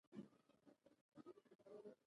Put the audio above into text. دا نه فضیلت دی او نه رذیلت.